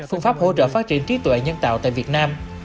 phương pháp hỗ trợ phát triển trí tuệ nhân tạo tại việt nam